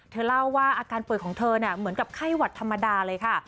เธอเล่าว่าอาการป่วยของเธอเหมือนกับไข้หวัดธรรมดาเลยค่ะ